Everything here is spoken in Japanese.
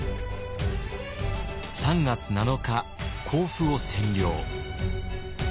３月７日甲府を占領。